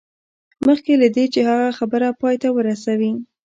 مخکې له دې چې هغه خبره پای ته ورسوي